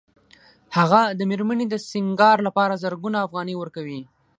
هغه د مېرمنې د سینګار لپاره زرګونه افغانۍ ورکوي